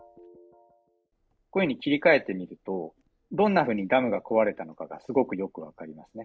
このように切り替えてみると、どんなふうにダムが壊れたのかがすごくよく分かりますね。